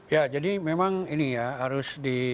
ya jadi memang ini ya harus di